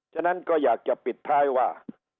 ฉะนั้นก็อยากจะปิดท้ายว่า